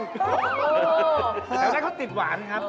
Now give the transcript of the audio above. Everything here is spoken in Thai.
ออกได้ความสนิทหวานครับ